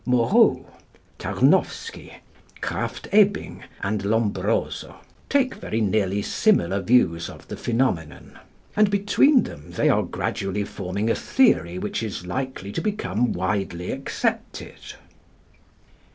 Moreau, Tarnowsky, Krafft Ebing and Lombroso take very nearly similar views of the phenomenon; and between them they are gradually forming a theory which is likely to become widely accepted.